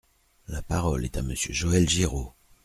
La parole est à Monsieur Joël Giraud.